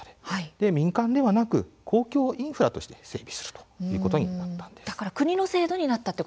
民間ではなく公共インフラのサービスとして整備されることになったんです。